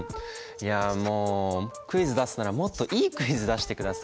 いやもうクイズ出すならもっといいクイズ出してくださいよ。